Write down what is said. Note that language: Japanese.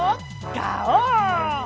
ガオー！